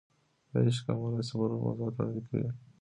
د عشق او معنوي سفرونو موضوعات وړاندې کوي.